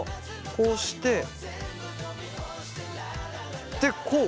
こうしてでこう？